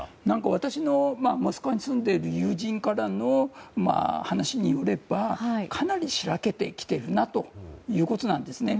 私のモスクワに住んでいる友人からの話によればかなり白けてきているなということなんですね。